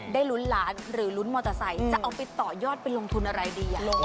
ลุ้นล้านหรือลุ้นมอเตอร์ไซค์จะเอาไปต่อยอดไปลงทุนอะไรดี